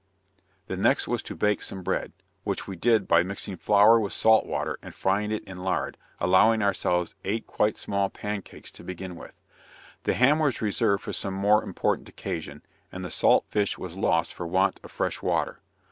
The next was to bake some bread, which we did by mixing flour with salt water and frying it in lard, allowing ourselves eight quite small pancakes to begin with. The ham was reserved for some more important occasion, and the salt fish was lost for want of fresh water.